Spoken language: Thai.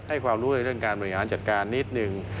ความรู้ในเรื่องการบริหารจัดการนิดนึง